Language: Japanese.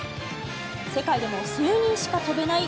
世界でも数人しか飛べない